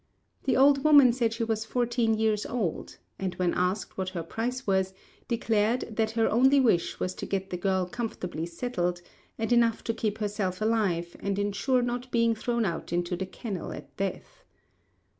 The old woman said she was fourteen years old; and when asked what her price was, declared that her only wish was to get the girl comfortably settled, and enough to keep herself alive, and ensure not being thrown out into the kennel at death.